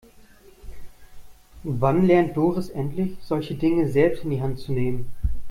Wann lernt Doris endlich, solche Dinge selbst in die Hand zu nehmen?